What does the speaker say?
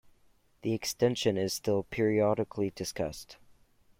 The extension is still periodically discussed.